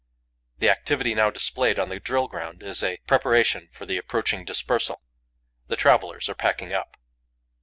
The activity now displayed on the drill ground is a preparation for the approaching dispersal. The travellers are packing up.